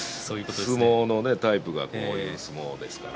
相撲のタイプがこういう相撲ですから。